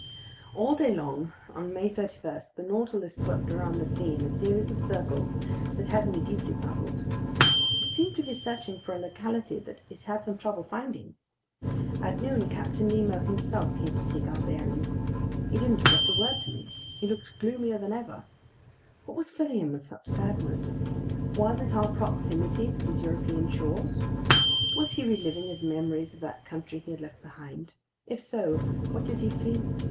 All day long on May 31, the Nautilus swept around the sea in a series of circles that had me deeply puzzled. It seemed to be searching for a locality that it had some trouble finding. At noon Captain Nemo himself came to take our bearings. He didn't address a word to me. He looked gloomier than ever. What was filling him with such sadness? Was it our proximity to these European shores? Was he reliving his memories of that country he had left behind? If so, what did he feel?